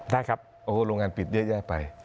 ได้ครับโอ้โหโรงงานปิดเยอะแยะไป